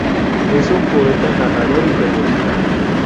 Es un poeta, narrador y periodista.